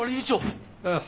ああ。